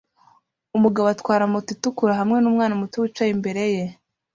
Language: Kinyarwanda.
Umugabo atwara moto itukura hamwe numwana muto wicaye imbere ye